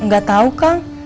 gak tau kang